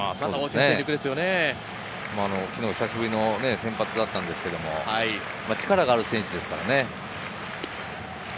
久しぶりの先発だったんですけど、力がある選手ですからね。